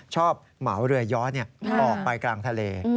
เหมาเรือย้อนออกไปกลางทะเล